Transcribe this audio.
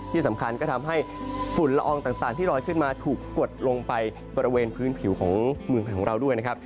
ที่สำคัญก็ทำให้ฝุ่นละอองต่างที่ลอยขึ้นมาถูกกดลงไปบริเวณพื้นผิวของเมืองไทยของเราด้วยนะครับ